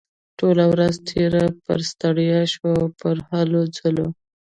ټوله ورځ تېره پر ستړيا شوه او پر هلو ځلو.